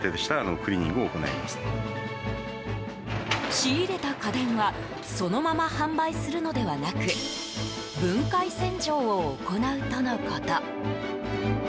仕入れた家電はそのまま販売するのではなく分解洗浄を行うとのこと。